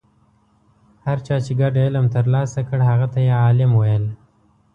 هر چا چې ګډ علم ترلاسه کړ هغه ته یې عالم ویل.